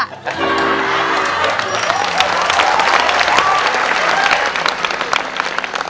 ขอบคุณบางคน